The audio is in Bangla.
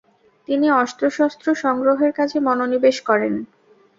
তিনি অস্ত্রশস্ত্র সংগ্রহের কাজে মনোনিবেশ করেন।